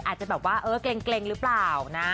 อาจจะแบบว่าเออเกร็งหรือเปล่านะ